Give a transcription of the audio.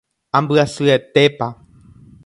Ambyasyetépa.